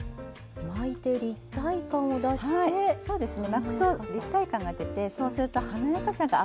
巻くと立体感が出てそうすると華やかさがアップします。